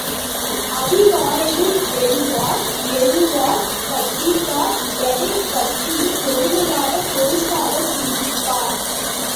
அதிகாலையில் எழுவார் எழுதுவார் படிப்பார் எதைப் பற்றியும் பொறுமையாக, பொறுப்பாகச் சிந்திப்பார்.